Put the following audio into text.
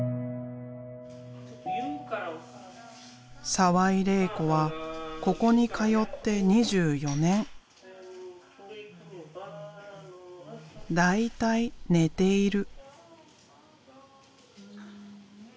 澤井玲衣子はここに通って２４年。大体寝ている。